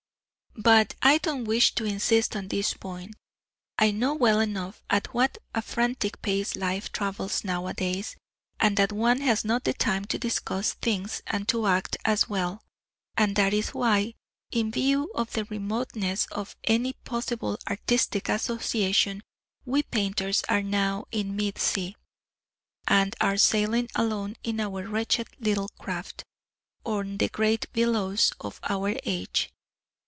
But I don't wish to insist on this point I know well enough at what a frantic pace life travels nowadays, and that one has not the time to discuss things and to act as well. And that is why, in view of the remoteness of any possible artistic association, we painters are now in mid sea, and are sailing alone in our wretched little craft, on the great billows of our age.